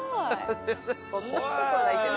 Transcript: そんなすごくないけど。